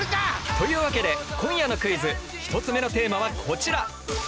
というわけで今夜のクイズ１つ目のテーマはこちら。